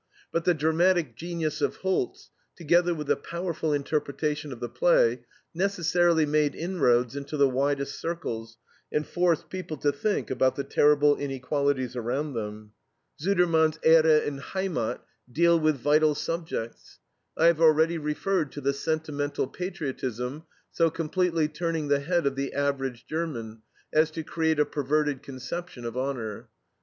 But the dramatic genius of Holz, together with the powerful interpretation of the play, necessarily made inroads into the widest circles, and forced people to think about the terrible inequalities around them. Sudermann's EHRE and HEIMAT deal with vital subjects. I have already referred to the sentimental patriotism so completely turning the head of the average German as to create a perverted conception of honor.